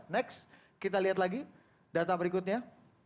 next kita lihat lagi data berikutnya